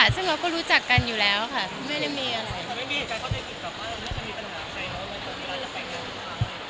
ซึ่งเราก็รู้จักกันอยู่แล้วค่ะไม่มีอะไร